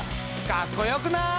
かっこよくない？